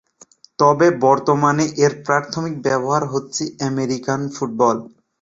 তবে, বর্তমানে এর প্রাথমিক ব্যবহার হচ্ছে আমেরিকান ফুটবল।